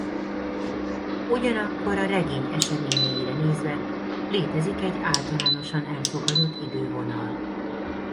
Ugyanakkor a regény eseményeire nézve létezik egy általánosan elfogadott idővonal.